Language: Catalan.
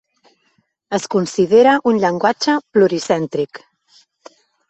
Es considera un llenguatge pluricèntric.